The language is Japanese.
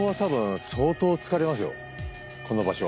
この場所は。